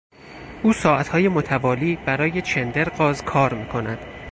او ساعتهای متوالی برای شندرغاز کار میکند.